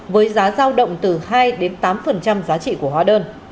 với giá giao động từ hai đến tám giá trị của hóa đơn